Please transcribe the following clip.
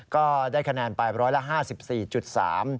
ก็ได้คะแนนไปร้อยละ๕๔๓